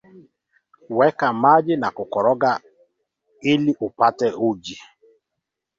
weka maji na kukoroga iliupate uji